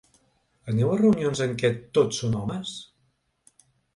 Aneu a reunions en què tot són homes?